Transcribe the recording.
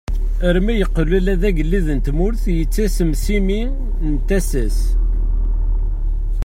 Armi yeqqel ula d agellid n tmurt yettasem si mmi n tasa-s.